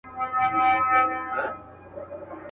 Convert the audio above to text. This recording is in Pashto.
یو ګړی له وهمه نه سوای راوتلای.